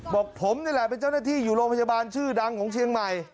บอกผมนี่แหละเป็นเจ้าหน้าที่อยู่โรงพยาบาลชื่อดังของเชียงใหม่